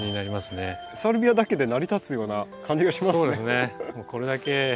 サルビアだけで成り立つような感じがしますね。